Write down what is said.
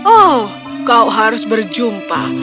oh kau harus berjumpa